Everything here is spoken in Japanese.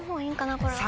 これは。